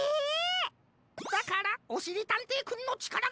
だからおしりたんていくんのちからがひつようなんじゃ！